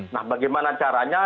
nah bagaimana caranya